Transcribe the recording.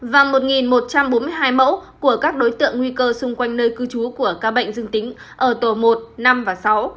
và một một trăm bốn mươi hai mẫu của các đối tượng nguy cơ xung quanh nơi cư trú của ca bệnh dương tính ở tổ một năm và sáu